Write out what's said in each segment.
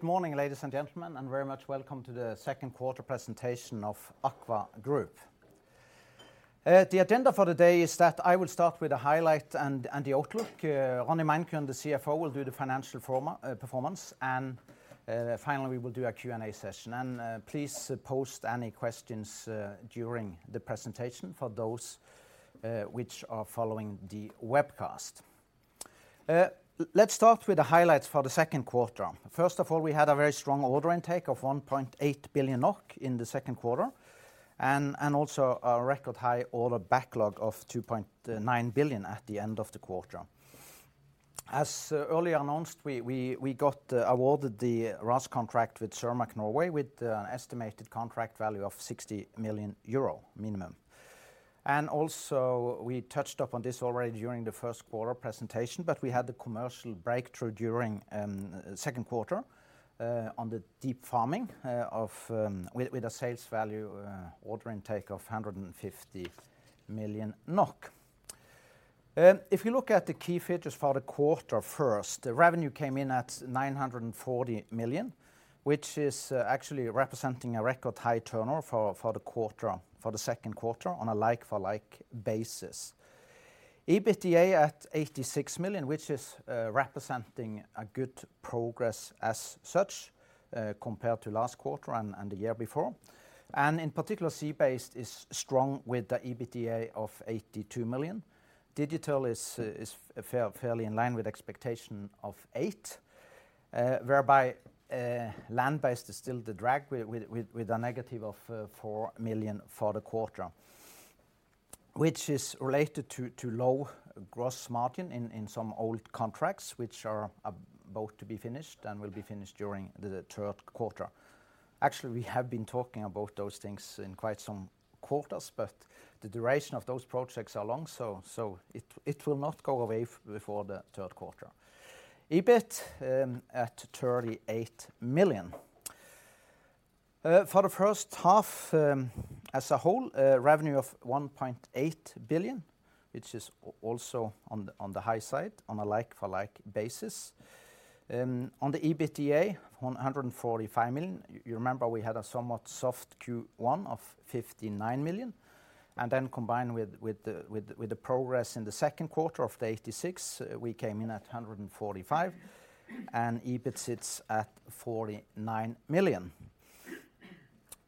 Good morning, ladies and gentlemen, very much welcome to the second quarter presentation of AKVA Group. The agenda for the day is that I will start with the highlight and the outlook. Ronny Meinkøhn, the CFO, will do the financial performance, and finally, we will do a Q&A session. Please post any questions during the presentation for those which are following the webcast. Let's start with the highlights for the second quarter. First of all, we had a very strong order intake of 1.8 billion NOK in the second quarter, and also a record high order backlog of 2.9 billion at the end of the quarter. As earlier announced, we, we, we got awarded the RAS contract with Cermaq Norway, with an estimated contract value of 60 million euro minimum. Also, we touched up on this already during the first quarter presentation, but we had the commercial breakthrough during second quarter on the deep farming of... with a sales value, order intake of 150 million NOK. If you look at the key features for the quarter first, the revenue came in at 940 million, which is actually representing a record high turnover for the second quarter on a like-for-like basis. EBITDA at 86 million, which is representing a good progress as such, compared to last quarter and the year before. In particular, Sea Based is strong, with the EBITDA of 82 million. Digital is fairly in line with expectation of 8, whereby Land Based is still the drag with a negative of 4 million for the quarter, which is related to low gross margin in some old contracts, which are about to be finished and will be finished during the third quarter. Actually, we have been talking about those things in quite some quarters, but the duration of those projects are long, so it will not go away before the third quarter. EBIT at 38 million. For the first half as a whole, revenue of 1.8 billion, which is also on the high side, on a like-for-like basis. On the EBITDA, 145 million, you remember we had a somewhat soft Q1 of 59 million, and then combined with the progress in the second quarter of 86 million, we came in at 145 million, and EBIT sits at 49 million.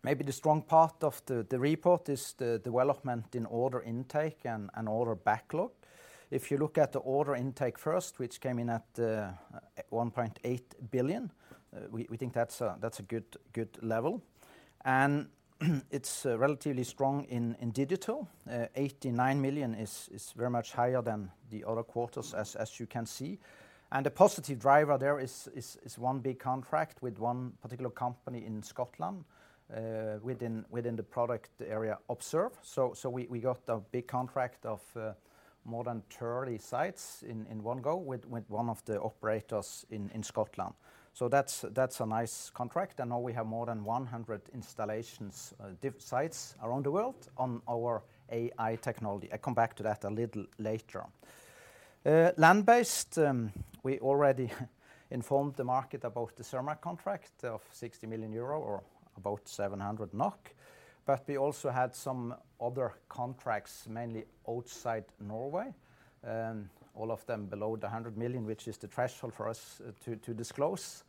Maybe the strong part of the report is the development in order intake and order backlog. If you look at the order intake first, which came in at 1.8 billion, we think that's a good level. It's relatively strong in Digital. 89 million is very much higher than the other quarters, as you can see. The positive driver there is one big contract with one particular company in Scotland, within the product area Observe. We got a big contract of more than 30 sites in one go with one of the operators in Scotland. That's a nice contract, and now we have more than 100 installations, diff sites around the world on our AI technology. I come back to that a little later. Land-based, we already informed the market about the Cermaq contract of 60 million euro or about 700 NOK. We also had some other contracts, mainly outside Norway, and all of them below 100 million, which is the threshold for us to disclose.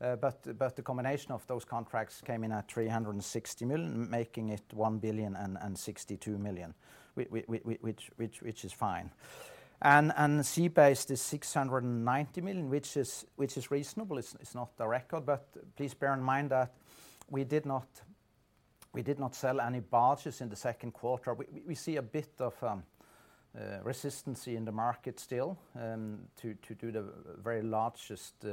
The combination of those contracts came in at 360 million, making it 1 billion and 62 million, which is fine. Sea Based is 690 million, which is, which is reasonable. It's, it's not the record, but please bear in mind that we did not, we did not sell any barges in the second quarter. We see a bit of resistance in the market still to do the very largest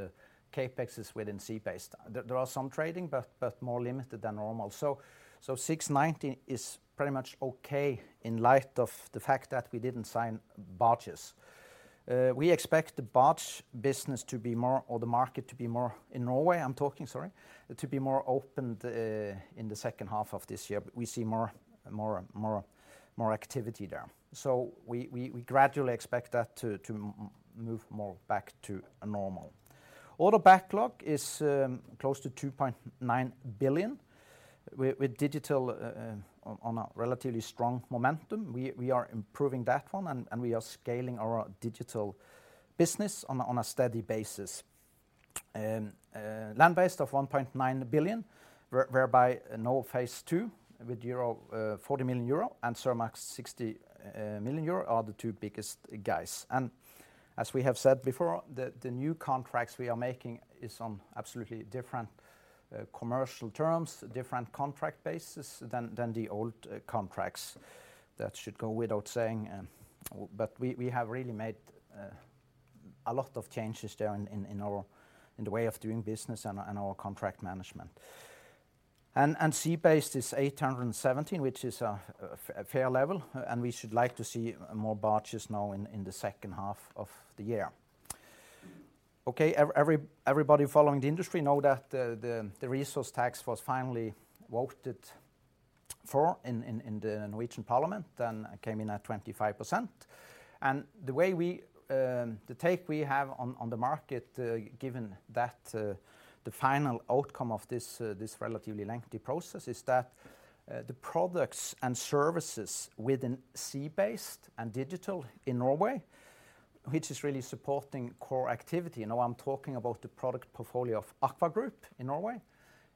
CapExes within Sea Based. There, there are some trading, but more limited than normal. 690 is pretty much okay in light of the fact that we didn't sign barges. We expect the barge business to be more... or the market to be more, in Norway, I'm talking, sorry, to be more open in the second half of this year. We see more, more, more, more activity there. We gradually expect that to move more back to normal. Order backlog is close to 2.9 billion with Digital on a relatively strong momentum. We are improving that one, and we are scaling our Digital business on a steady basis. Land Based of 1.9 billion, whereby NAP Phase 2, with 40 million euro and Cermaq's 60 million euro, are the two biggest guys. As we have said before, the new contracts we are making is on absolutely different commercial terms, different contract basis than the old contracts. That should go without saying, but we have really made a lot of changes there in our in the way of doing business and our contract management. Sea Based is 817, which is a fair level, and we should like to see more barges now in the second half of the year. Everybody following the industry know that the resource tax was finally voted for in the Norwegian parliament and came in at 25%. The way we, the take we have on the market, given that the final outcome of this relatively lengthy process is that the products and services within Sea Based and Digital in Norway, which is really supporting core activity. Now I'm talking about the product portfolio of AKVA Group in Norway,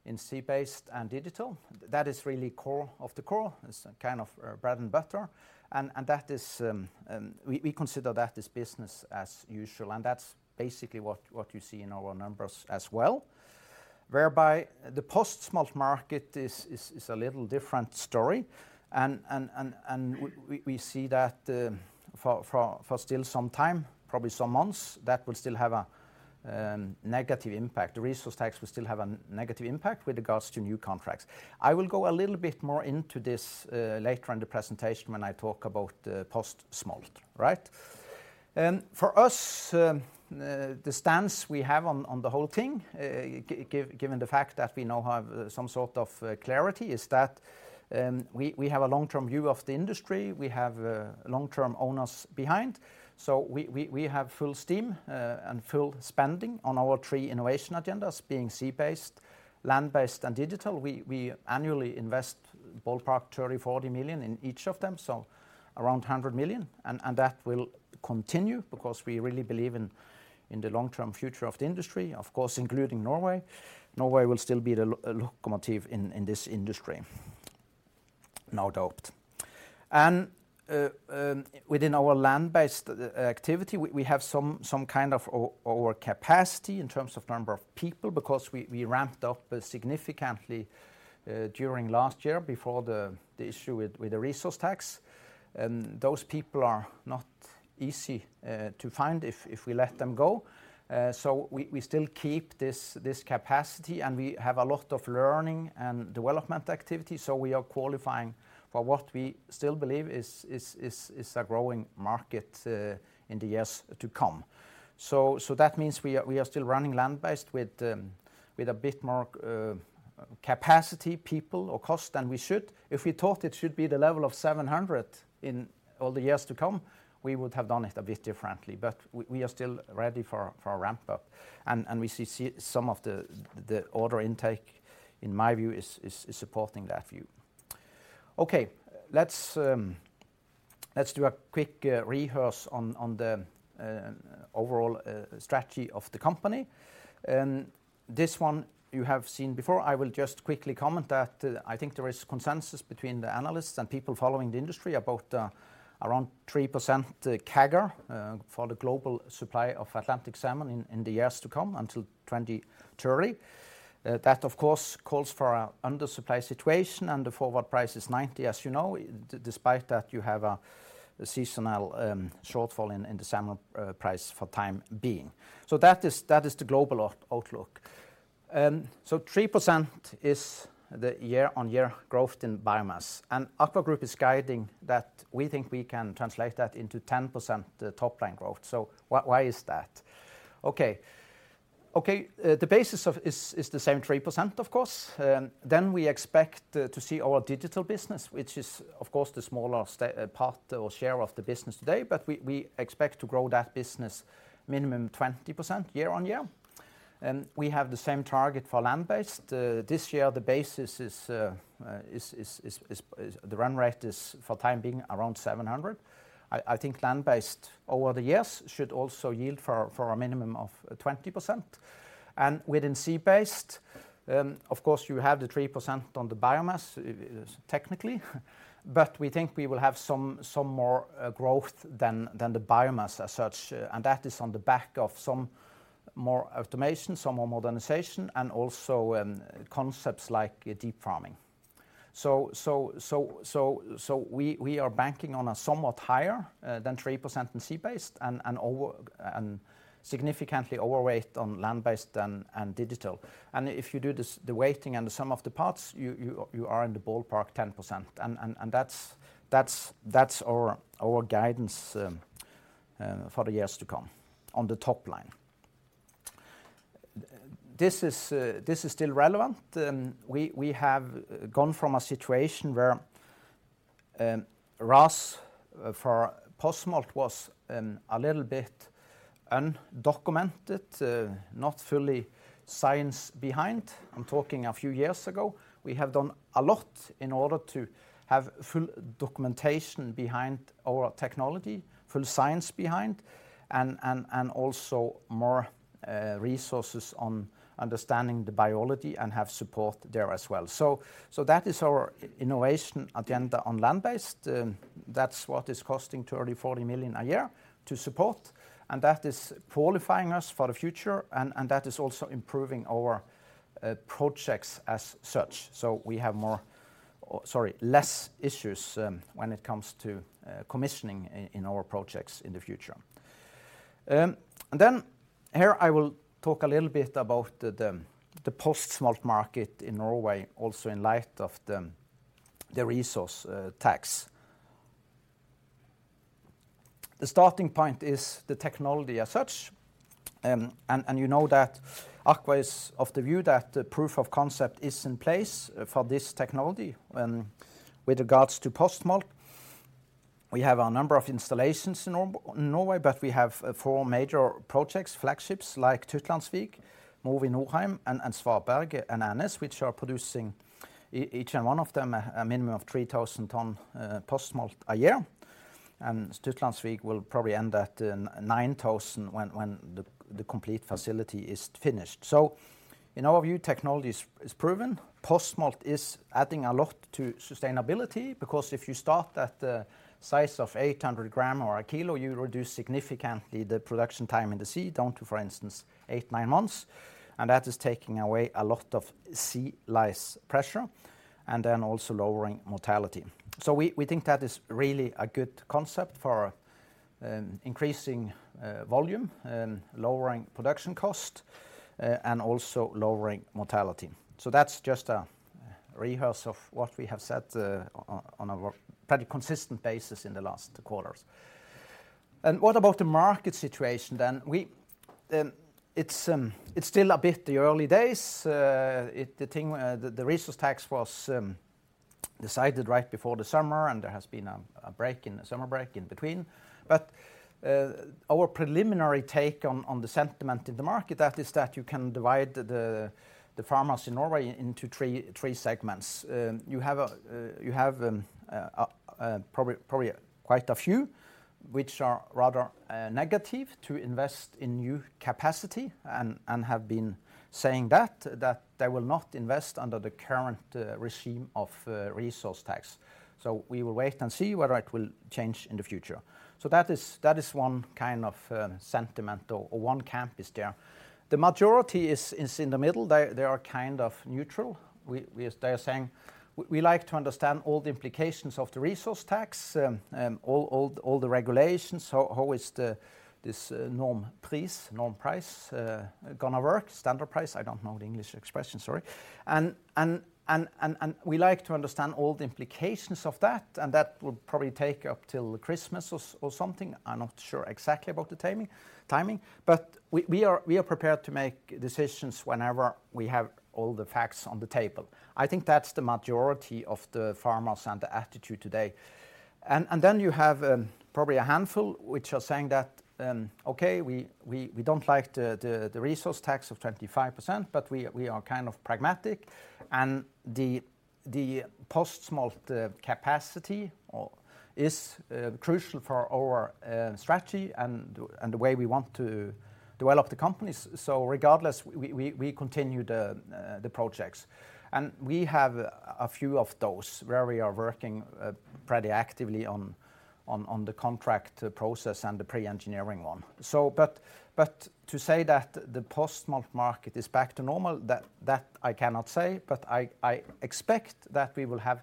in Sea Based and Digital. That is really core of the core. It's a kind of bread and butter, that is, we consider that as business as usual, and that's basically what you see in our numbers as well. Whereby the post-smolt market is a little different story, we see that for still some time, probably some months, that will still have a negative impact. The resource rent tax will still have a negative impact with regards to new contracts. I will go a little bit more into this later in the presentation when I talk about post-smolt. Right? For us, the stance we have on the whole thing, given the fact that we now have some sort of clarity, is that we have a long-term view of the industry. We have long-term owners behind, so we, we, we have full steam and full spending on our three innovation agendas, being Sea Based, Land Based, and Digital. We, we annually invest ballpark 30 million-40 million in each of them, so around 100 million. That will continue because we really believe in the long-term future of the industry, of course, including Norway. Norway will still be the locomotive in this industry, no doubt. Within our Land Based activity, we, we have some, some kind of overcapacity in terms of number of people, because we, we ramped up significantly during last year before the issue with the resource rent tax. Those people are not easy to find if, if we let them go. We, we still keep this, this capacity, and we have a lot of learning and development activity, so we are qualifying for what we still believe is, is, is, is a growing market in the years to come. That means we are, we are still running land-based with a bit more capacity, people, or cost than we should. If we thought it should be the level of 700 in all the years to come, we would have done it a bit differently, but we are still ready for a ramp up, and we see, see some of the, the order intake, in my view, is, is, is supporting that view. Okay. Let's do a quick rehearse on the overall strategy of the company. This one you have seen before. I will just quickly comment that, I think there is consensus between the analysts and people following the industry about, around 3% CAGR for the global supply of Atlantic salmon in, in the years to come, until 2030. That of course, calls for a undersupply situation, and the forward price is 90, as you know, despite that, you have a, a seasonal shortfall in, in the salmon price for time being. That is, that is the global outlook. 3% is the year-on-year growth in biomass, and AKVA Group is guiding that we think we can translate that into 10% top line growth. Why, why is that? Okay. Okay, the basis of is, is the same 3%, of course. We expect to see our Digital business, which is, of course, the smaller part or share of the business today, but we, we expect to grow that business minimum 20% year-on-year, and we have the same target for Land Based. This year, the basis is the run rate is, for time being, around 700. I, I think Land Based over the years should also yield for a, for a minimum of 20%. Within Sea Based, of course, you have the 3% on the biomass, technically, but we think we will have some, some more growth than, than the biomass as such, and that is on the back of some more automation, some more modernization, and also concepts like deep farming. We are banking on a somewhat higher than 3% in Sea Based and significantly overweight on Land Based and Digital. If you do this, the weighting and the sum of the parts, you are in the ballpark 10%, and that's our guidance for the years to come on the top line. This is still relevant. We have gone from a situation where RAS for post-smolt was a little bit undocumented, not fully science behind. I'm talking a few years ago. We have done a lot in order to have full documentation behind our technology, full science behind, and also more resources on understanding the biology and have support there as well. That is our innovation agenda on land-based. That's what is costing 30 million-40 million a year to support, and that is qualifying us for the future, and that is also improving our projects as such. We have more, or sorry, less issues when it comes to commissioning in our projects in the future. Then here I will talk a little bit about the post-smolt market in Norway, also in light of the resource rent tax. The starting point is the technology as such. You know that AKVA is of the view that the proof of concept is in place for this technology. With regards to Postsmolt, we have a number of installations in Norway, but we have four major projects, flagships like Tytlandsvik, Mowi Norheim, and Svarberg and Ånes, which are producing each and one of them a minimum of 3,000 tons Postsmolt a year. Tytlandsvik will probably end at 9,000 when the complete facility is finished. In our view, technology is proven. Postsmolt is adding a lot to sustainability, because if you start at the size of 800 grams or a kilogram, you reduce significantly the production time in the sea down to, for instance, 8, 9 months, and that is taking away a lot of sea lice pressure and then also lowering mortality. We, we think that is really a good concept for increasing volume and lowering production cost and also lowering mortality. That's just a rehearse of what we have said on a very consistent basis in the last quarters. What about the market situation then? We, it's, it's still a bit the early days. The thing, the, the resource tax was decided right before the summer, and there has been a break in the summer, break in between. Our preliminary take on the sentiment in the market, that is, that you can divide the farmers in Norway into three, three segments. You have a, you have, probably, probably quite a few, which are rather negative to invest in new capacity and, and have been saying that, that they will not invest under the current regime of resource tax. We will wait and see whether it will change in the future. That is, that is one kind of sentiment or, or one camp is there. The majority is, is in the middle. They, they are kind of neutral. They are saying, "We, we like to understand all the implications of the resource tax, all, all the, all the regulations. How is the, this norm price, norm price gonna work? Standard price. I don't know the English expression, sorry. We like to understand all the implications of that, and that will probably take up till Christmas or something. I'm not sure exactly about the timing, timing, but we are, we are prepared to make decisions whenever we have all the facts on the table." I think that's the majority of the farmers and the attitude today. Then you have probably a handful, which are saying that, "Okay, we don't like the resource tax of 25%, but we are kind of pragmatic, and the post-smolt capacity or... is crucial for our strategy and the way we want to develop the companies. Regardless, we, we, we continue the projects. We have a few of those where we are working pretty actively on, on, on the contract process and the pre-engineering one. But to say that the post-smolt market is back to normal, that, that I cannot say, but I, I expect that we will have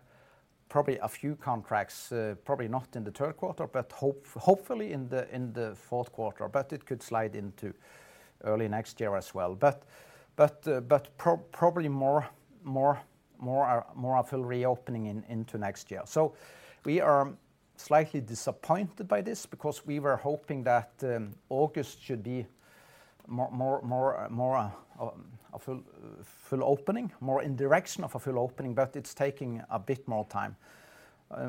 probably a few contracts, probably not in the third quarter, but hopefully in the fourth quarter. It could slide into early next year as well. But probably more, more, more are, more are full reopening in, into next year. We are slightly disappointed by this because we were hoping that August should be more, more, more, more a full full opening, more in direction of a full opening, but it's taking a bit more time.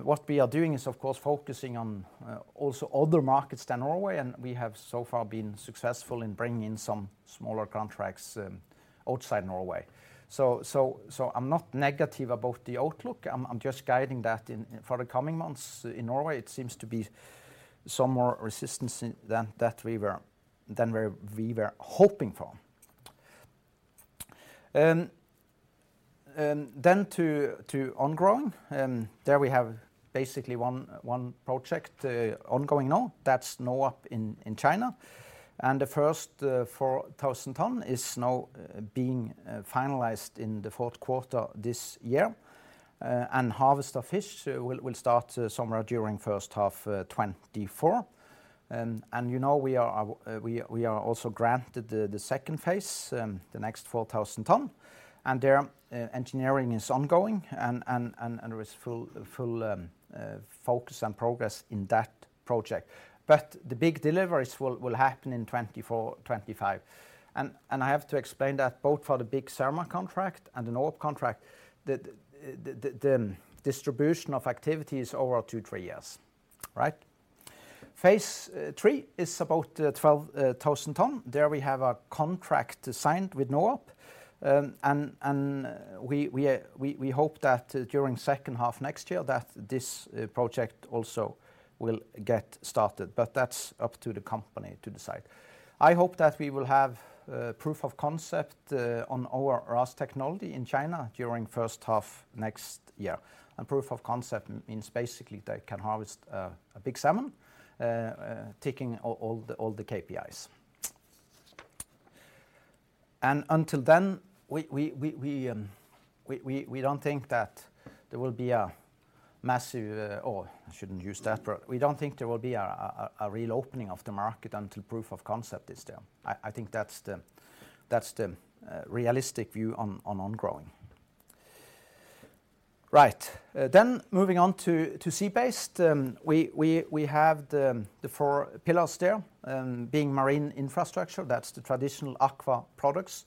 What we are doing is, of course, focusing on also other markets than Norway, we have so far been successful in bringing in some smaller contracts outside Norway. I'm not negative about the outlook. I'm, I'm just guiding that for the coming months in Norway, it seems to be some more resistance than we, we were hoping for. Then to, to on-growing, there we have basically one, one project ongoing now. That's NOAP in China, the first 4,000 tons is now being finalized in the fourth quarter this year. Harvest of fish will, will start somewhere during first half 2024. You know, we are, we are also granted the second Phase, the next 4,000 ton, and their engineering is ongoing and there is full focus and progress in that project. The big deliveries will happen in 2024, 2025. I have to explain that both for the big Cermaq contract and the NOAP contract, the distribution of activity is over 2-3 years, right? Phase 3 is about 12,000 ton. There we have a contract signed with NOAP, and we hope that during second half next year, that this project also will get started, but that's up to the company to decide. I hope that we will have proof of concept on our RAS technology in China during first half next year. Proof of concept means basically they can harvest a big salmon, ticking all, all the, all the KPIs. Until then, we, we, we, we, we, we, we don't think that there will be a massive. Oh, I shouldn't use that word. We don't think there will be a, a, a, a real opening of the market until proof of concept is there. I, I think that's the, that's the realistic view on, on on-growing. Right. Moving on to, to Sea Based, we, we, we have the, the four pillars there, being marine infrastructure, that's the traditional aqua products,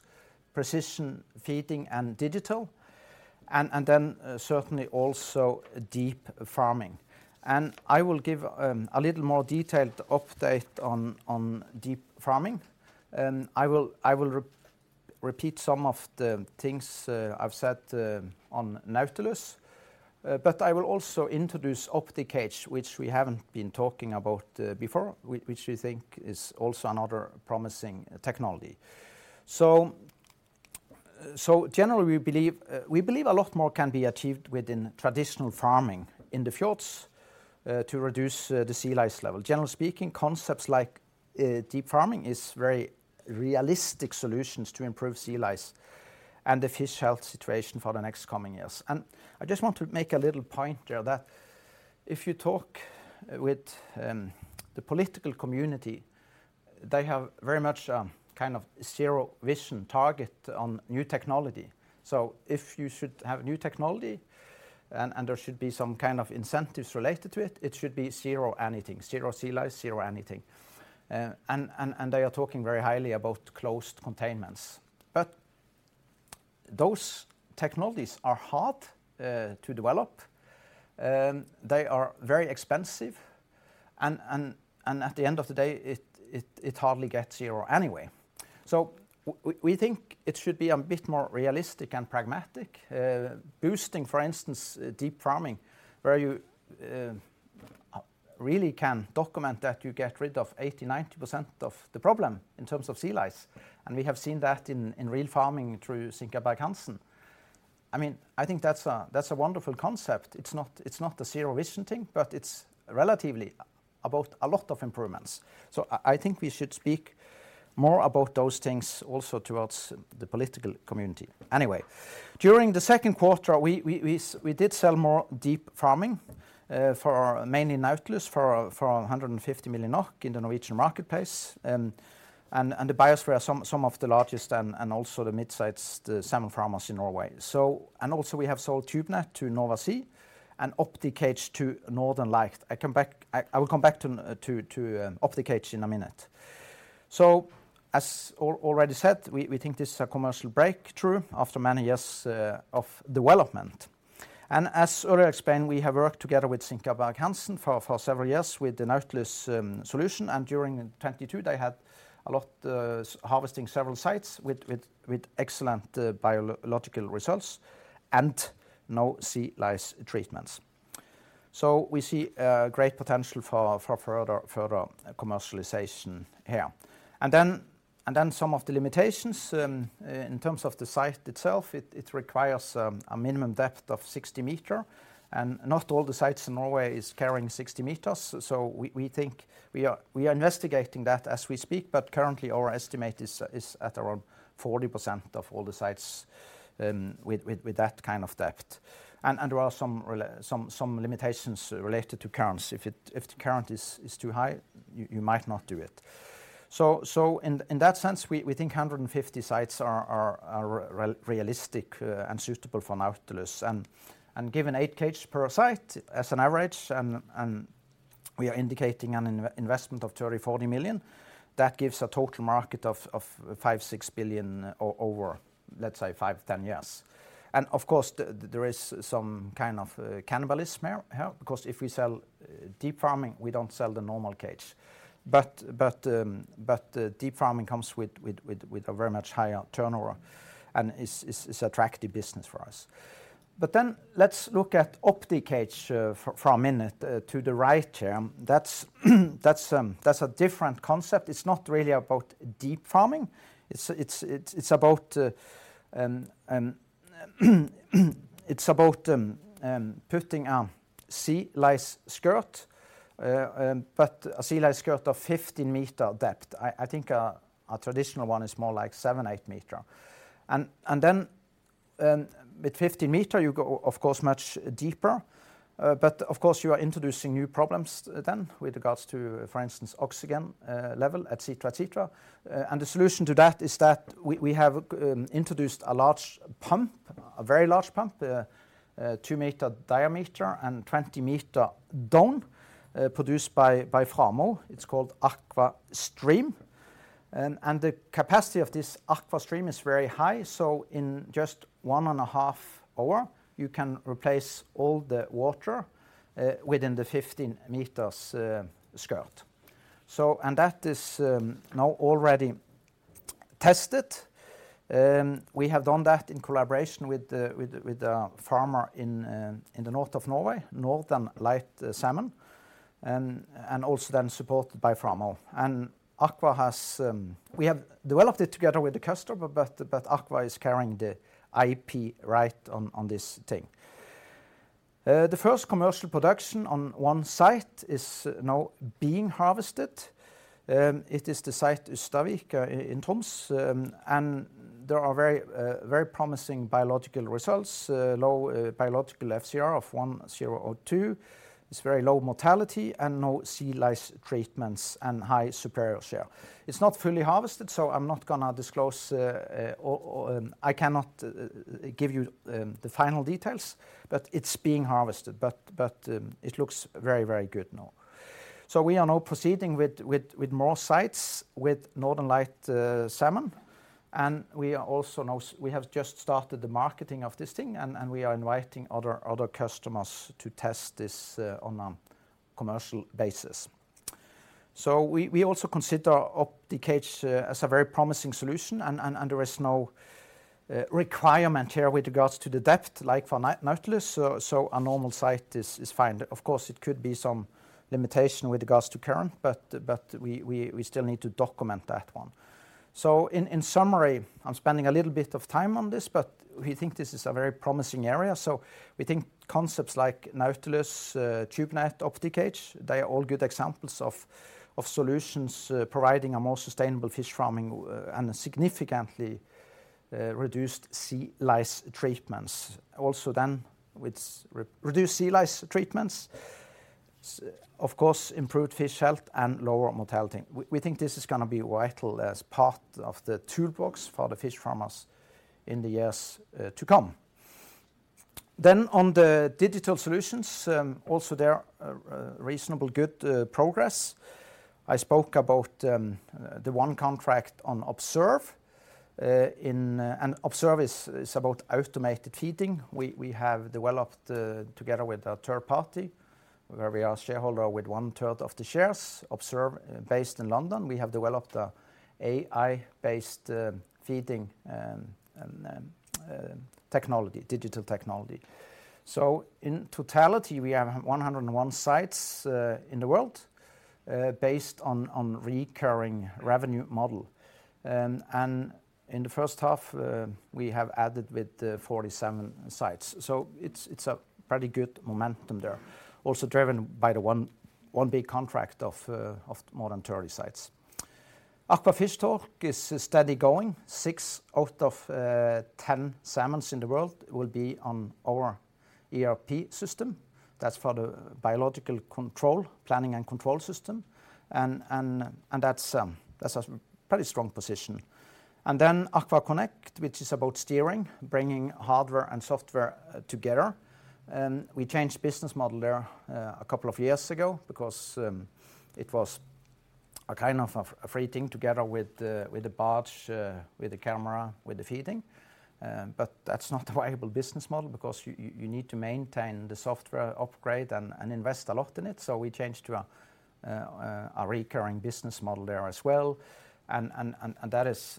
precision feeding and Digital, and, and then certainly also deep farming. I will give a little more detailed update on deep farming, and I will repeat some of the things I've said on Nautilus. I will also introduce OptiCage, which we haven't been talking about before, which we think is also another promising technology. Generally, we believe we believe a lot more can be achieved within traditional farming in the fjords to reduce the sea lice level. Generally speaking, concepts like deep farming is very realistic solutions to improve sea lice and the fish health situation for the next coming years. I just want to make a little point here that if you talk with the political community, they have very much kind of zero vision target on new technology. If you should have new technology and there should be some kind of incentives related to it, it should be zero anything, zero sea lice, zero anything. And they are talking very highly about closed containment. Those technologies are hard to develop, they are very expensive and at the end of the day, it hardly gets zero anyway. We think it should be a bit more realistic and pragmatic, boosting, for instance, deep farming, where you really can document that you get rid of 80%-90% of the problem in terms of sea lice, and we have seen that in real farming through SinkabergHansen. I mean, I think that's a wonderful concept. It's not a zero vision thing, but it's relatively about a lot of improvements. I, I think we should speak more about those things also towards the political community. Anyway, during the second quarter, we, we, we, we did sell more deep farming for mainly Nautilus, for 150 million NOK in the Norwegian marketplace. And the biosphere, some, some of the largest and, and also the mid-size, the salmon farmers in Norway. And also we have sold Tubenet to Nova Sea and OptiCage to Northern Lights. I, I will come back to, to, OptiCage in a minute. As al- already said, we, we think this is a commercial breakthrough after many years, of development. As earlier explained, we have worked together with SinkabergHansen for several years with the Nautilus solution, and during 2022, they had a lot harvesting several sites with excellent biological results and no sea lice treatments. We see great potential for further commercialization here. Some of the limitations in terms of the site itself, it requires a minimum depth of 60 meters, and not all the sites in Norway is carrying 60 meters. We are investigating that as we speak, but currently our estimate is at around 40% of all the sites with that kind of depth. There are some limitations related to currents. If it, if the current is, is too high, you, you might not do it. In, in that sense, we, we think 150 sites are, are, are realistic, and suitable for Nautilus. Given 8 cage per site as an average, and, and we are indicating an investment of 30 million-40 million, that gives a total market of, of 5 billion-6 billion over, let's say, 5-10 years. Of course, there is some kind of cannibalism here, here, because if we sell deep farming, we don't sell the normal cage. But, but, but deep farming comes with, with, with, with a very much higher turnover and is, is, is attractive business for us. Then let's look at OptiCage for a minute to the right here. That's, that's, that's a different concept. It's not really about deep farming. It's, it's, it's, it's about, it's about putting a sea lice skirt, but a sea lice skirt of 15 meter depth. I, I think, a traditional one is more like 7, 8 meter. Then, with 15 meter, you go, of course, much deeper, but of course, you are introducing new problems then with regards to, for instance, oxygen level, et cetera, et cetera. The solution to that is that we, we have introduced a large pump, a very large pump, a 2-meter diameter and 20-meter dome, produced by Framo. It's called AquaStream. The capacity of this AquaStream is very high, so in just one and a half hour, you can replace all the water within the 15 meters skirt. That is now already tested. We have done that in collaboration with the farmer in the north of Norway, Northern Lights Salmon, and also then supported by Framo. AKVA has, we have developed it together with the customer, but AKVA is carrying the IP right on this thing. The first commercial production on one site is now being harvested. It is the site Austvika in Tromsø, and there are very promising biological results, low biological FCR of 1.02. It's very low mortality and no sea lice treatments, and high superior shell. It's not fully harvested, so I'm not gonna disclose or. I cannot give you the final details, but it's being harvested. But, it looks very, very good now. We are now proceeding with, with, with more sites with Northern Lights Salmon. We are also now, we have just started the marketing of this thing, and, and we are inviting other, other customers to test this on a commercial basis. We, we also consider OptiCage as a very promising solution, and, and, and there is no requirement here with regards to the depth, like for Nautilus. A normal site is, is fine. Of course, it could be some limitation with regards to current, but, but we, we, we still need to document that one. In, in summary, I'm spending a little bit of time on this, but we think this is a very promising area. We think concepts like Nautilus, TubeNet, OptiCage, they are all good examples of solutions providing a more sustainable fish farming and significantly reduced sea lice treatments. Also, with reduced sea lice treatments, of course, improved fish health and lower mortality. We think this is gonna be vital as part of the toolbox for the fish farmers in the years to come. On the Digital solutions, also there are reasonable good progress. I spoke about the one contract on Observe. Observe is about automated feeding. We have developed together with a third party, where we are shareholder with one third of the shares. Observe, based in London, we have developed a A.I.-based feeding and technology, Digital technology. In totality, we have 101 sites in the world, based on recurring revenue model. In the first half, we have added with the 47 sites. It's, it's a pretty good momentum there. Also driven by the one big contract of more than 30 sites. AKVA Fishtalk is steady going. 6 out of 10 salmons in the world will be on our ERP system. That's for the biological control, planning and control system, and that's a pretty strong position. AKVA connect, which is about steering, bringing hardware and software together, and we changed business model there a couple of years ago because it was a kind of a free thing together with the barge, with the camera, with the feeding. That's not a viable business model because you, you, you need to maintain the software upgrade and, and invest a lot in it. We changed to a recurring business model there as well. That is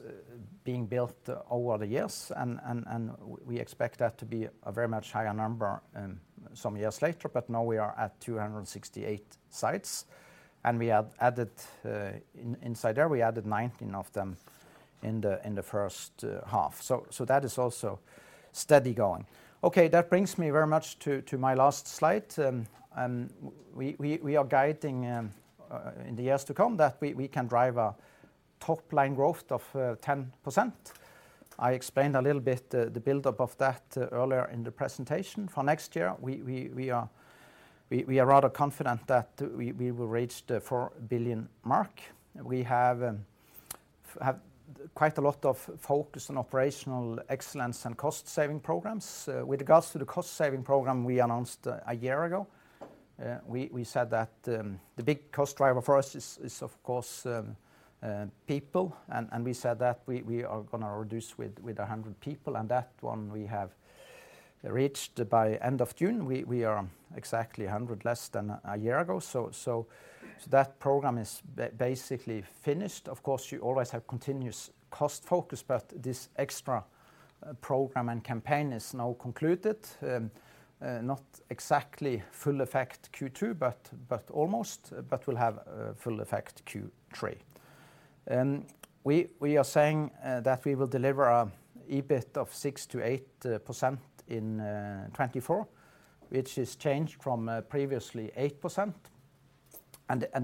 being built over the years, and, and, and we expect that to be a very much higher number some years later. Now we are at 268 sites, and we have added inside there, we added 19 of them in the first half. That is also steady going. Okay, that brings me very much to, to my last slide. We, we, we are guiding in the years to come, that we, we can drive a top line growth of 10%. I explained a little bit the build-up of that earlier in the presentation. For next year, we, we, we are, we, we are rather confident that we, we will reach the 4 billion mark. We have quite a lot of focus on operational excellence and cost-saving programs. With regards to the cost-saving program we announced a year ago, we said that the big cost driver for us is, is of course, people. We said that we, we are gonna reduce with 100 people, and that one we have reached by end of June. We, we are exactly 100 less than a year ago. That program is basically finished. Of course, you always have continuous cost focus, but this extra program and campaign is now concluded. Not exactly full effect Q2, but almost, but will have a full effect Q3. We are saying that we will deliver a EBIT of 6%-8% in 2024, which is changed from previously 8%.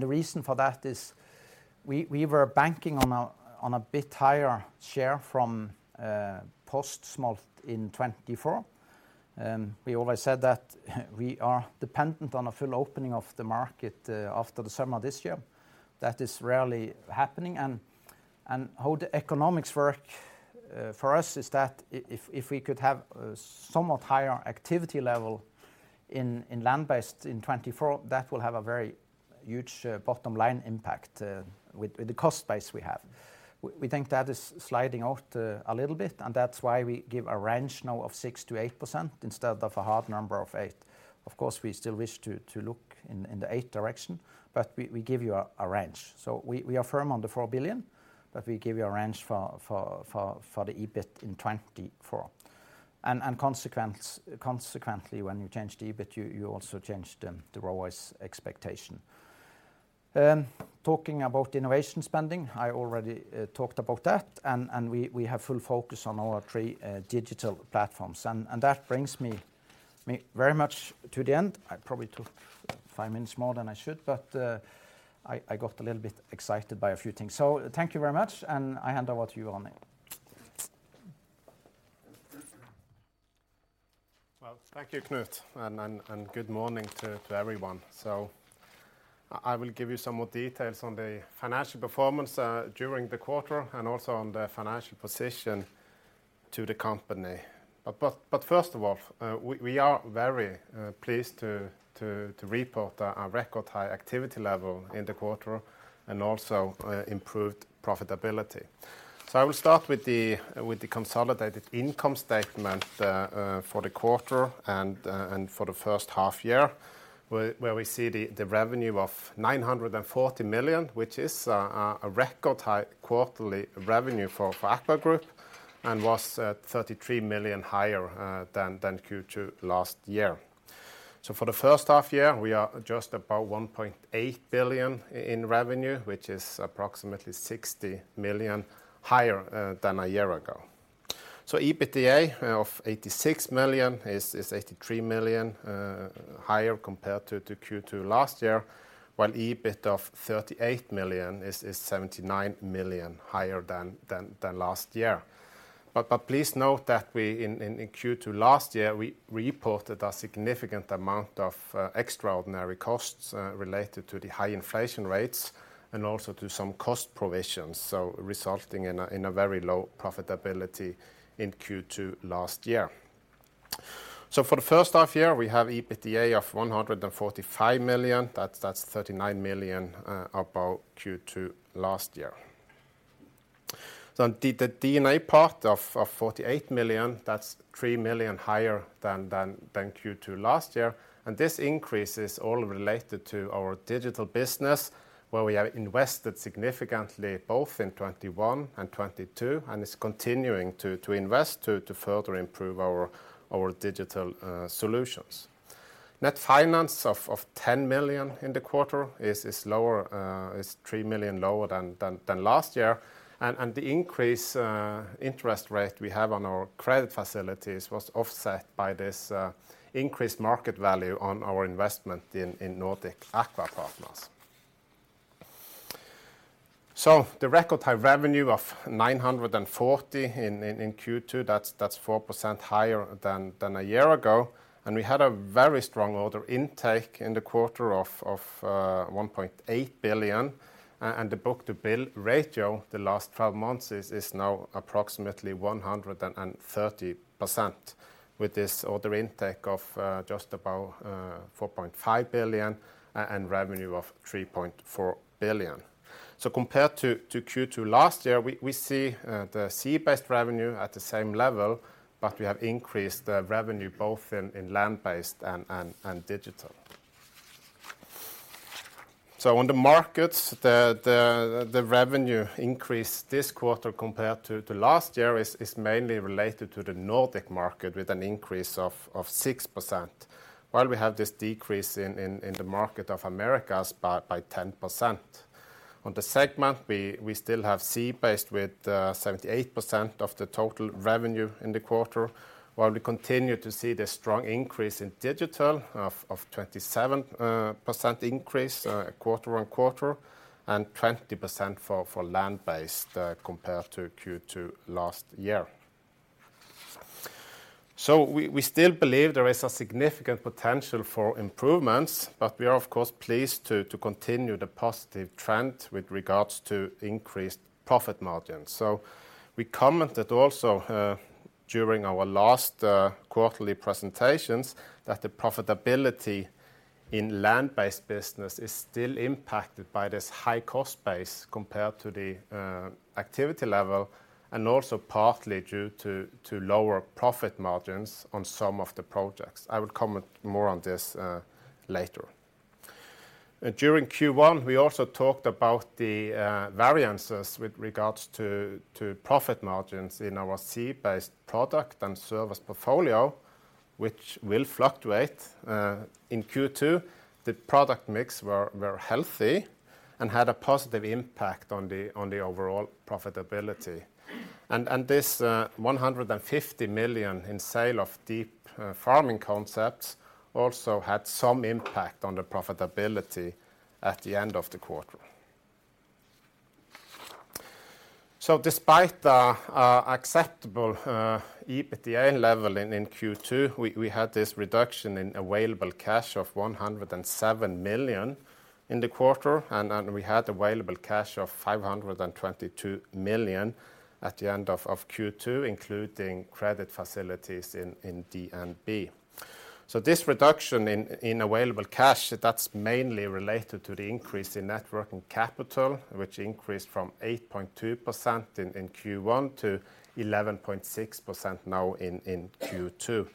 The reason for that is we were banking on a bit higher share from post-smolt in 2024. We always said that we are dependent on a full opening of the market after the summer this year. That is rarely happening. How the economics work for us is that if we could have a somewhat higher activity level in land-based in 2024, that will have a very huge bottom line impact with the cost base we have. We, we think that is sliding out a little bit, and that's why we give a range now of 6%-8% instead of a hard number of 8. Of course, we still wish to, to look in, in the 8 direction, but we, we give you a, a range. We, we are firm on the 4 billion, but we give you a range for the EBIT in 2024. Consequently, when you change the EBIT, you, you also change the, the ROIC expectation. Talking about innovation spending, I already talked about that, and we, we have full focus on our 3 Digital platforms. That brings me, me very much to the end. I probably took 5 minutes more than I should, but I, I got a little bit excited by a few things. Thank you very much, and I hand over to you, Ronny. Well, thank you, Knut, and good morning to everyone. I will give you some more details on the financial performance during the quarter and also on the financial position. to the company. First of all, we are very pleased to report a record high activity level in the quarter and also improved profitability. I will start with the consolidated income statement for the quarter and for the first half year, where we see the revenue of 940 million, which is a record high quarterly revenue for AKVA Group, and was 33 million higher than Q2 last year. For the first half year, we are just about 1.8 billion in revenue, which is approximately 60 million higher than a year ago. EBITDA of 86 million is 83 million higher compared to Q2 last year, while EBIT of 38 million is 79 million higher than last year. Please note that we in Q2 last year, we reported a significant amount of extraordinary costs related to the high inflation rates and also to some cost provisions, so resulting in a very low profitability in Q2 last year. For the first half year, we have EBITDA of 145 million. That's 39 million above Q2 last year. Indeed, the D&A part of, of 48 million, that's 3 million higher than, than, than Q2 last year, and this increase is all related to our Digital business, where we have invested significantly both in 2021 and 2022, and is continuing to, to invest to, to further improve our, our Digital solutions. Net finance of, of 10 million in the quarter is, is lower, is 3 million lower than, than, than last year. The increase, interest rate we have on our credit facilities was offset by this, increased market value on our investment in, in Nordic Aqua Partners. The record high revenue of 940 in, in, in Q2, that's, that's 4% higher than, than a year ago, and we had a very strong order intake in the quarter of, of, 1.8 billion. The book-to-bill ratio the last 12 months is, is now approximately 130%, with this order intake of just about 4.5 billion and revenue of 3.4 billion. Compared to, to Q2 last year, we, we see the Sea Based revenue at the same level, but we have increased the revenue both in, in Land Based and, and, and Digital. On the markets, the, the, the revenue increase this quarter compared to, to last year is, is mainly related to the Nordic market, with an increase of, of 6%, while we have this decrease in, in, in the market of Americas by, by 10%. On the segment, we, we still have Sea Based with 78% of the total revenue in the quarter, while we continue to see the strong increase in Digital of 27% increase quarter-on-quarter, and 20% for Land Based compared to Q2 last year. We still believe there is a significant potential for improvements, but we are, of course, pleased to continue the positive trend with regards to increased profit margins. We commented also during our last quarterly presentations, that the profitability in Land Based business is still impacted by this high-cost base compared to the activity level, and also partly due to lower profit margins on some of the projects. I will comment more on this later. During Q1, we also talked about the variances with regards to profit margins in our sea-based product and service portfolio, which will fluctuate. In Q2, the product mix were healthy and had a positive impact on the overall profitability. This 150 million in sale of deep farming concepts also had some impact on the profitability at the end of the quarter. Despite the acceptable EBITDA level in Q2, we had this reduction in available cash of 107 million in the quarter, we had available cash of 522 million at the end of Q2, including credit facilities in DNB. This reduction in available cash, that's mainly related to the increase in net working capital, which increased from 8.2% in Q1 to 11.6% now in Q2.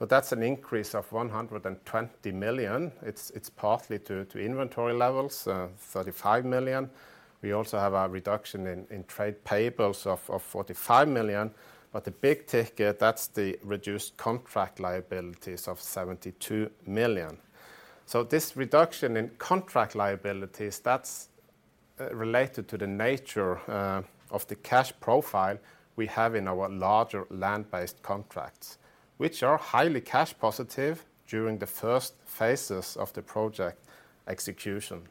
That's an increase of 120 million. It's partly due to inventory levels, 35 million. We also have a reduction in trade payables of 45 million, but the big ticket, that's the reduced contract liabilities of 72 million. This reduction in contract liabilities, that's related to the nature of the cash profile we have in our larger land-based contracts, which are highly cash positive during the first phases of the project execution.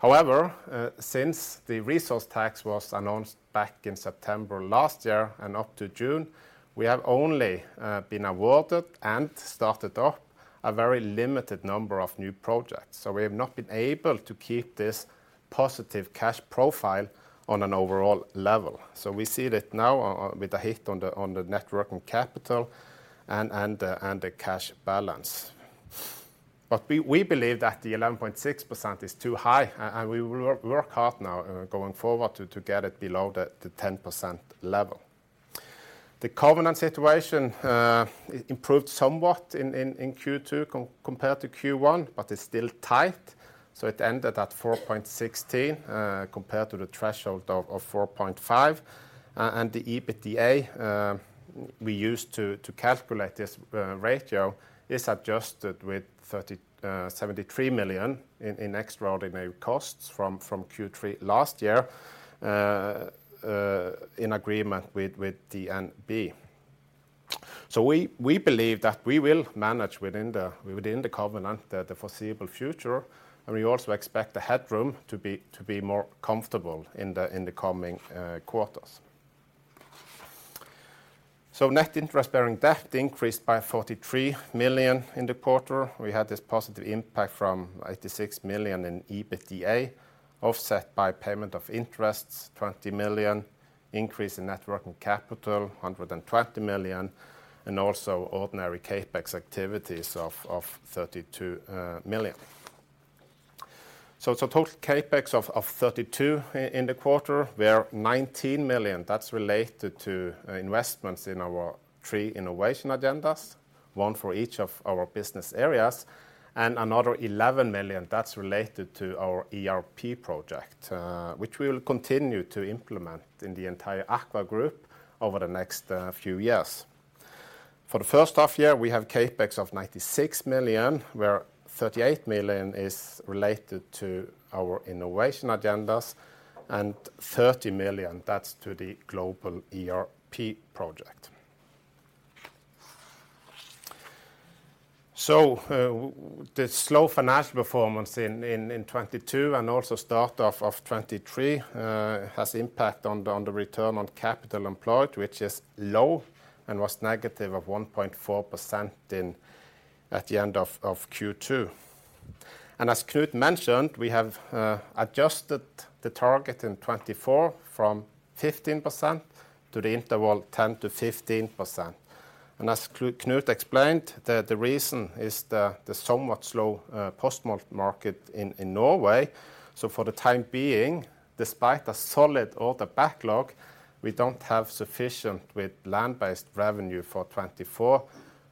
However, since the resource rent tax was announced back in September last year and up to June, we have only been awarded and started up- a very limited number of new projects. We have not been able to keep this positive cash profile on an overall level. We see that now with a hit on the net working capital and the cash balance. We believe that the 11.6% is too high, and we will work hard now going forward to get it below the 10% level. The covenant situation improved somewhat in Q2 compared to Q1, but it's still tight. It ended at 4.16 compared to the threshold of 4.5. The EBITDA we used to calculate this ratio is adjusted with 73 million in extraordinary costs from Q3 last year in agreement with DNB. We, we believe that we will manage within the covenant the foreseeable future, and we also expect the headroom to be more comfortable in the coming quarters. Net interest-bearing debt increased by 43 million in the quarter. We had this positive impact from 86 million in EBITDA, offset by payment of interests, 20 million, increase in net working capital, 120 million, and also ordinary CapEx activities of 32 million. Total CapEx of 32 million in the quarter, where 19 million, that's related to investments in our three innovation agendas, one for each of our business areas, and another 11 million that's related to our ERP project, which we will continue to implement in the entire AKVA Group over the next few years. For the first half year, we have CapEx of 96 million, where 38 million is related to our innovation agendas, and 30 million, that's to the global ERP project. The slow financial performance in 2022 and also start of 2023 has impact on the return on capital employed, which is low, and was negative of 1.4% at the end of Q2. As Knut mentioned, we have adjusted the target in 2024 from 15% to the interval 10%-15%. As Knut explained, the reason is the somewhat slow post-smolt market in Norway. For the time being, despite a solid order backlog, we don't have sufficient with land-based revenue for 2024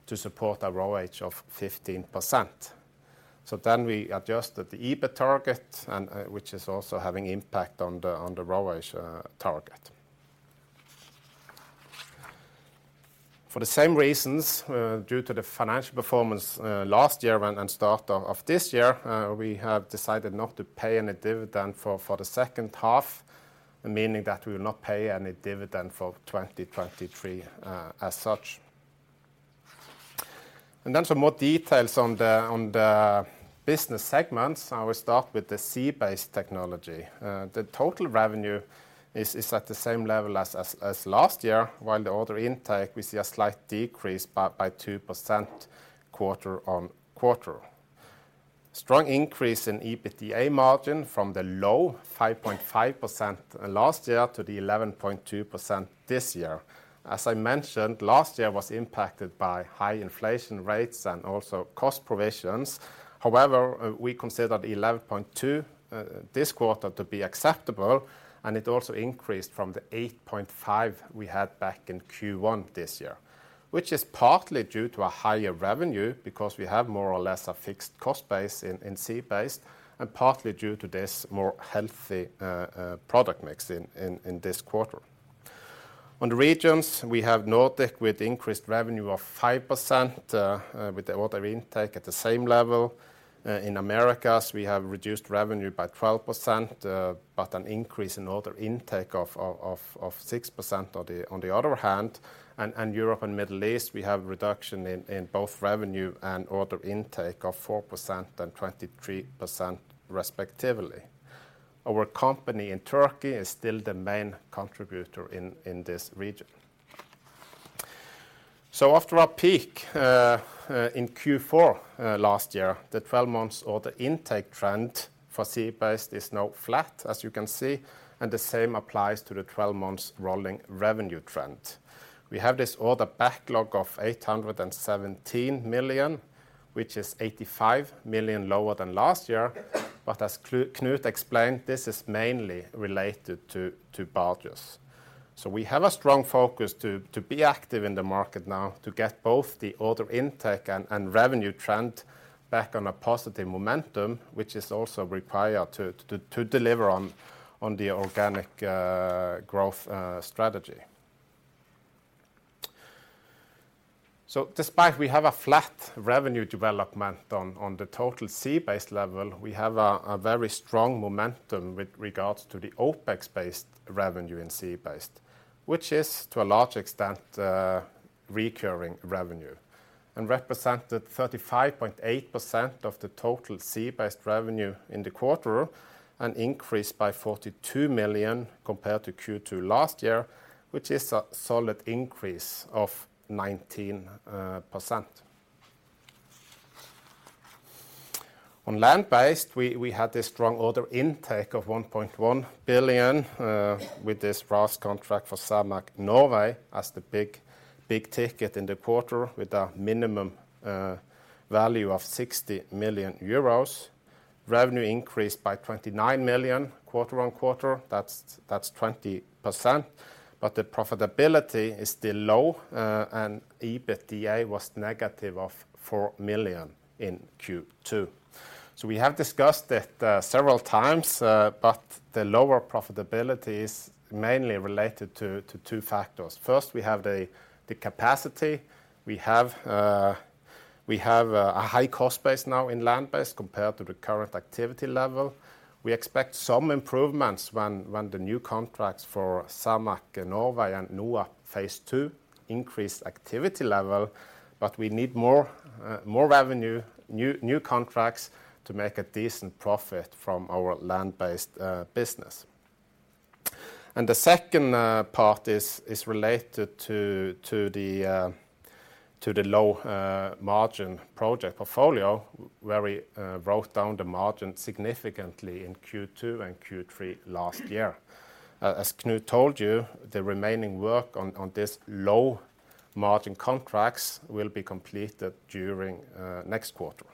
to support a ROH of 15%. We adjusted the EBIT target, and, which is also having impact on the, on the ROH target. For the same reasons, due to the financial performance, last year and, and start of, of this year, we have decided not to pay any dividend for, for the second half, meaning that we will not pay any dividend for 2023, as such. Some more details on the, on the business segments. I will start with the Sea Based Technology. The total revenue is, is at the same level as... as, as last year, while the order intake, we see a slight decrease by, by 2% quarter-on-quarter. Strong increase in EBITDA margin from the low 5.5% last year to the 11.2% this year. As I mentioned, last year was impacted by high inflation rates and also cost provisions. However, we consider the 11.2% this quarter to be acceptable, and it also increased from the 8.5% we had back in Q1 this year, which is partly due to a higher revenue, because we have more or less a fixed cost base in Sea Based, and partly due to this more healthy product mix in this quarter. On the regions, we have Nordic with increased revenue of 5% with the order intake at the same level. In Americas, we have reduced revenue by 12%, but an increase in order intake of, of, of, of 6% on the, on the other hand. Europe and Middle East, we have reduction in, in both revenue and order intake of 4% and 23% respectively. Our company in Turkey is still the main contributor in, in this region. After our peak in Q4 last year, the 12 months order intake trend for Sea Based is now flat, as you can see, and the same applies to the 12 months rolling revenue trend. We have this order backlog of 817 million, which is 85 million lower than last year, but as Knut explained, this is mainly related to, to barges. We have a strong focus to, to be active in the market now, to get both the order intake and, and revenue trend back on a positive momentum, which is also required to, to, to deliver on, on the organic growth strategy. Despite we have a flat revenue development on, on the total Sea Based level, we have a, a very strong momentum with regards to the OpEx-based revenue in Sea Based, which is, to a large extent, recurring revenue, and represented 35.8% of the total Sea Based revenue in the quarter, and increased by 42 million compared to Q2 last year, which is a solid increase of 19%. On Land Based, we, we had a strong order intake of 1.1 billion with this vast contract for Cermaq Norway as the big, big ticket in the quarter, with a minimum value of 60 million euros. Revenue increased by 29 million quarter-on-quarter, that's, that's 20%, but the profitability is still low, and EBITDA was negative of 4 million in Q2. We have discussed it several times, but the lower profitability is mainly related to 2 factors. First, we have the capacity. We have a high cost base now in land-based compared to the current activity level. We expect some improvements when the new contracts for Cermaq Norway and NAP Phase 2 increase activity level, but we need more revenue, new contracts to make a decent profit from our land-based business. The second part is related to the low-margin project portfolio, where we wrote down the margin significantly in Q2 and Q3 last year. As Knut told you, the remaining work on this low-margin contracts will be completed during next quarter.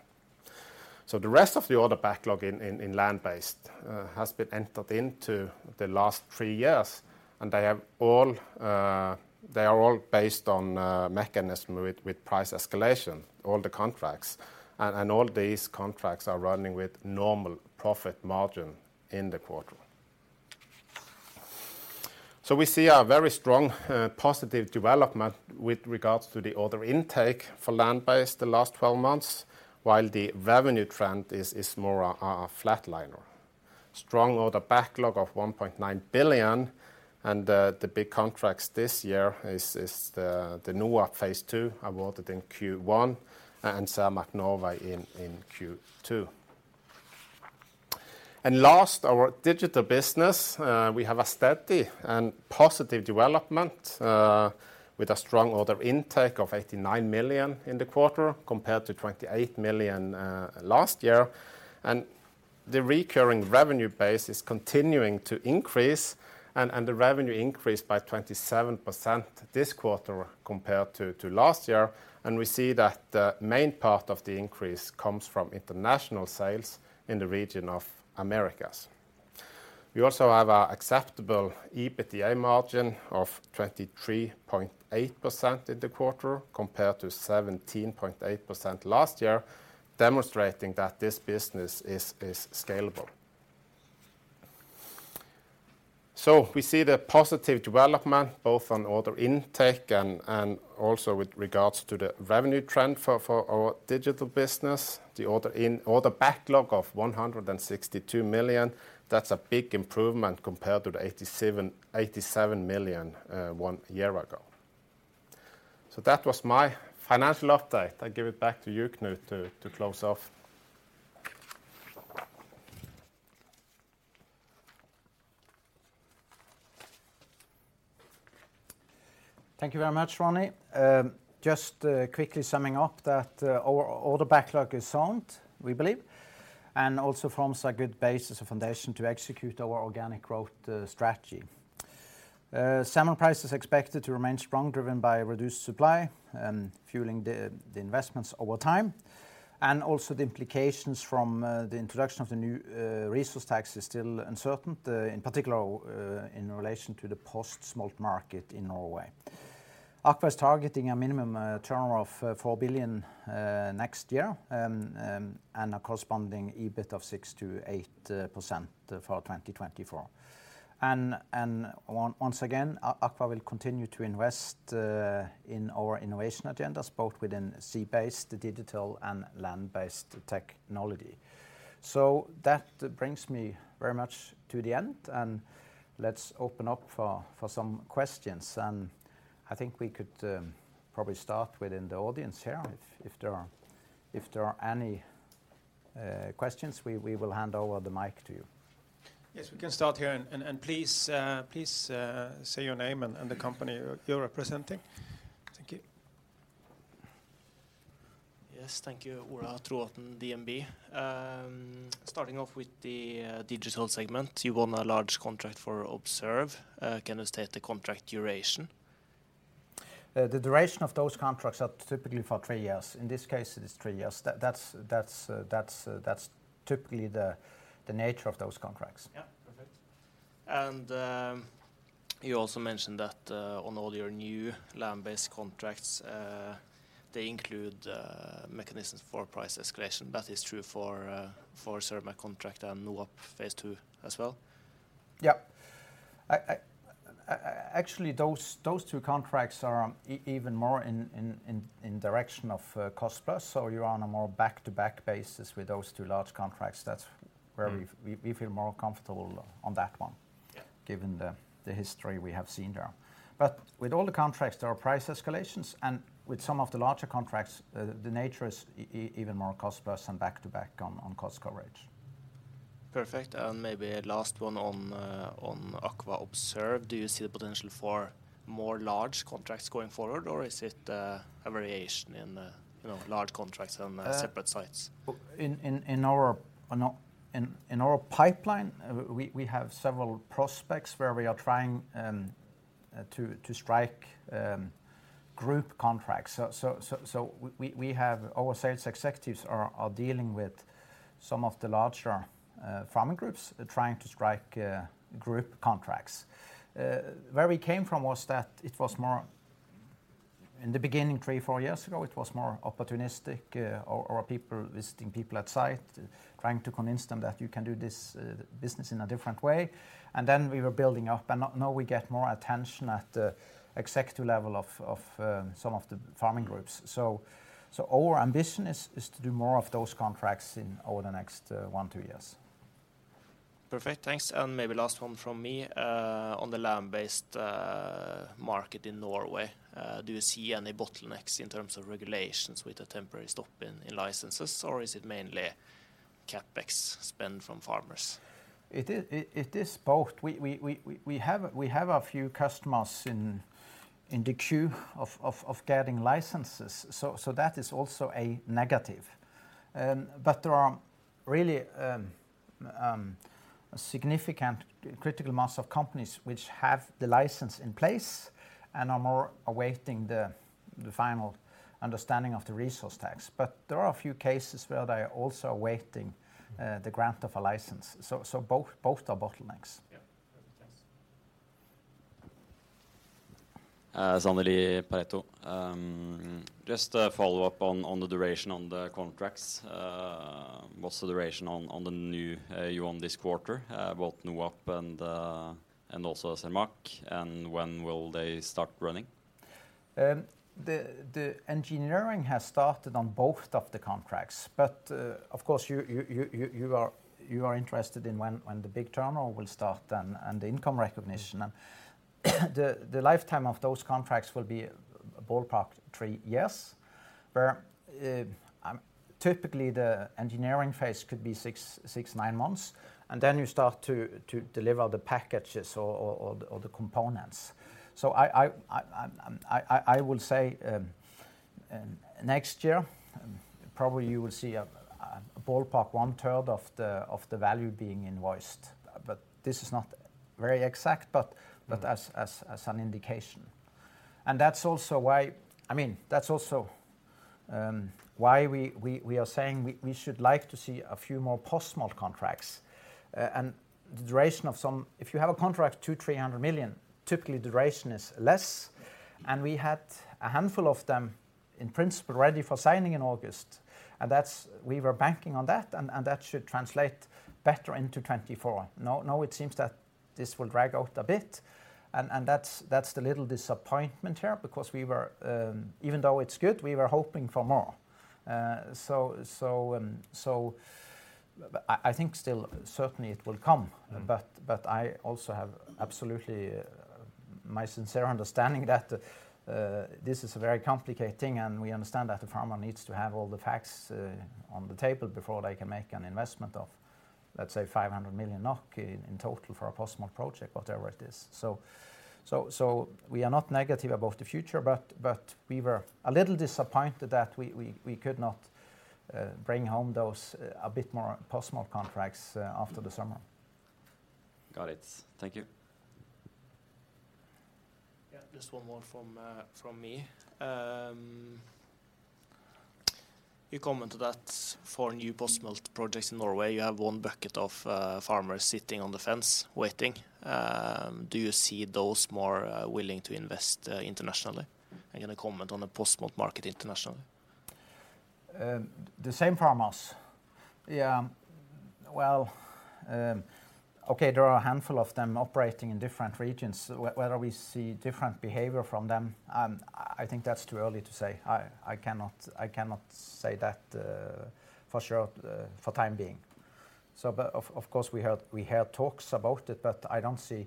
The rest of the order backlog in, in, in Land Based has been entered into the last 3 years, and they have all, they are all based on mechanism with, with price escalation, all the contracts. All these contracts are running with normal profit margin in the quarter. We see a very strong positive development with regards to the order intake for Land Based the last 12 months, while the revenue trend is, is more a, a flatliner. Strong order backlog of 1.9 billion, and the big contracts this year is, is the, the NAP Phase 2 awarded in Q1 and Cermaq Norway in, in Q2. Last, our Digital. We have a steady and positive development with a strong order intake of 89 million in the quarter, compared to 28 million last year. The recurring revenue base is continuing to increase, and the revenue increased by 27% this quarter compared to last year, and we see that the main part of the increase comes from international sales in the region of Americas. We also have an acceptable EBITDA margin of 23.8% in the quarter, compared to 17.8% last year, demonstrating that this business is scalable. We see the positive development, both on order intake and also with regards to the revenue trend for our Digital business. The order backlog of 162 million, that's a big improvement compared to 87 million one year ago. That was my financial update. I give it back to you, Knut, to close off. Thank you very much, Ronny. Just quickly summing up that our order backlog is sound, we believe, and also forms a good basis, a foundation, to execute our organic growth strategy. Salmon price is expected to remain strong, driven by reduced supply and fueling the, the investments over time, and also the implications from the introduction of the new resource rent tax is still uncertain, in particular, in relation to the post-smolt market in Norway. AKVA is targeting a minimum turnover of BNOK 4 billion next year, and a corresponding EBIT of 6%-8% for 2024. Once again, AKVA will continue to invest in our innovation agendas, both within Sea Based, Digital, and Land Based technology. That brings me very much to the end. Let's open up for, for some questions. I think we could probably start within the audience here. If, if there are, if there are any questions, we, we will hand over the mic to you. Yes, we can start here, and please say your name and the company you're representing. Thank you. Yes, thank you. Ola Trovatn, DNB. Starting off with the Digital segment, you won a large contract for Observe. Can you state the contract duration? The duration of those contracts are typically for 3 years. In this case, it is 3 years. That's typically the nature of those contracts. Yeah, perfect. You also mentioned that on all your new land-based contracts, they include mechanisms for price escalation. That is true for Cermaq contract and NAP Phase 2 as well? Yeah. I, I, actually, those, those two contracts are even more in, in, in, in direction of cost plus, so you're on a more back-to-back basis with those two large contracts. That's where we... Mm. We feel more comfortable on that one. Yeah... given the, the history we have seen there. But with all the contracts, there are price escalations, and with some of the larger contracts, the nature is even more cost plus and back-to-back on cost coverage. Perfect, maybe last one on AKVA Observe. Do you see the potential for more large contracts going forward, or is it a variation in the, you know, large contracts on separate sites? In, in, in our, on our, in, in our pipeline, we, we have several prospects where we are trying to, to strike group contracts. So, so, so we, our sales executives are, are dealing with some of the larger farming groups, trying to strike group contracts. Where we came from was that it was more, in the beginning, 3, 4 years ago, it was more opportunistic, or, or people visiting people at site, trying to convince them that you can do this business in a different way. We were building up, and now, now we get more attention at the executive level of, of some of the farming groups. So our ambition is, is to do more of those contracts over the next 1, 2 years. Perfect, thanks. And maybe last one from me. On the Land Based market in Norway, do you see any bottlenecks in terms of regulations with the temporary stop in, in licenses, or is it mainly CapEx spend from farmers? It is, it is both. We have a few customers in the queue of getting licenses, so that is also a negative. There are really a significant critical mass of companies which have the license in place and are more awaiting the final understanding of the resource tax. There are a few cases where they are also awaiting the grant of a license. Both, both are bottlenecks. Yeah. Thanks. Sander Lie, Pareto. Just a follow-up on, on the duration on the contracts. What's the duration on, on the new, you won this quarter, both NOAP and also Cermaq, and when will they start running? The engineering has started on both of the contracts, but of course, you are interested in when, when the big journal will start and the income recognition. The lifetime of those contracts will be a ballpark 3 years, where typically the engineering phase could be 6, 6, 9 months, and then you start to deliver the packages or the components. I will say next year, probably you will see a ballpark 1/3 of the value being invoiced. This is not very exact, but- Mm... but as, as, as an indication. That's also why... I mean, that's also why we are saying we should like to see a few more post-smolt contracts. The duration of some- if you have a contract, 200 million-300 million, typically the duration is less, and we had a handful of them, in principle, ready for signing in August. That's- we were banking on that, and that should translate better into 2024. Now, now it seems that this will drag out a bit, and that's, that's the little disappointment here, because we were, even though it's good, we were hoping for more. So, so, so I think still certainly it will come- Mm I also have absolutely my sincere understanding that this is a very complicated thing, and we understand that the farmer needs to have all the facts on the table before they can make an investment of, let's say, 500 million NOK in, in total for a post-smolt project, whatever it is. We are not negative about the future, but, but we were a little disappointed that we, we, we could not bring home those a bit more post-smolt contracts after the summer. Got it. Thank you. Yeah, just one more from me. You commented that for new post-smolt projects in Norway, you have one bucket of farmers sitting on the fence, waiting. Do you see those more willing to invest internationally? Any comment on the post-smolt market internationally? The same farmers? Yeah. Well, okay, there are a handful of them operating in different regions. Whether we see different behavior from them, I think that's too early to say. I, I cannot, I cannot say that for sure for time being. But of course, we had, we had talks about it, but I don't see...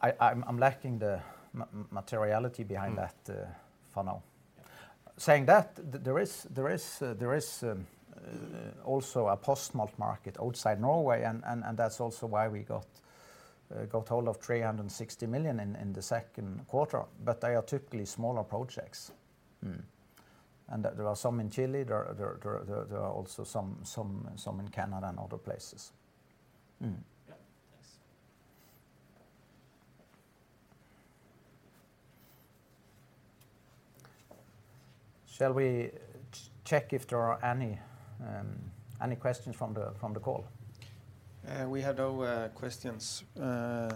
I, I, I'm, I'm lacking the materiality behind- Mm that for now. Saying that, there is, there is, there is also a post-smolt market outside Norway, and that's also why we got got hold of 360 million in the second quarter, but they are typically smaller projects. Mm. There are some in Chile. There, there, there, there are also some, some, some in Canada and other places. Yeah, thanks. Shall we check if there are any, any questions from the, from the call? we have no questions from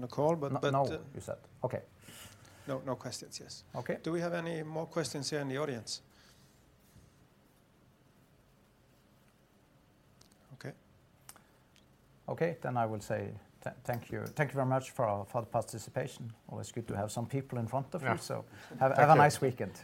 the call, but No, you said? Okay. No, no questions, yes. Okay. Do we have any more questions here in the audience? Okay. Okay, then I will say thank you. Thank you very much for the participation. Always good to have some people in front of you- Yeah Have, have a nice weekend.